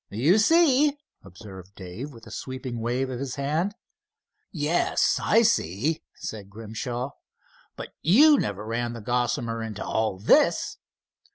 "You see," observed Dave, with a sweeping wave of his hand. "Yes, I see," said Grimshaw. "But you never ran the Gossamer into all this!"